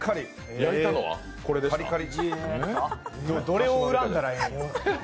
どれを恨んだらいいのか。